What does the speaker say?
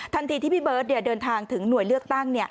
ที่พี่เบิร์ตเดินทางถึงหน่วยเลือกตั้ง